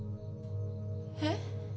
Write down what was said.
えっ？